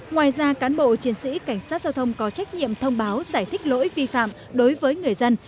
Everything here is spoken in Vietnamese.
ngoài ra cán bộ chiến sĩ cảnh sát giao thông có trách nhiệm thông báo giải thích lỗi vi phạm đối với người dân